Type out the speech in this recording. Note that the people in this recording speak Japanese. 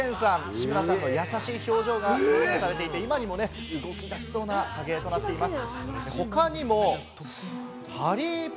志村さんの優しい表情が表現されていて、今にも動き出しそうな影絵となっています。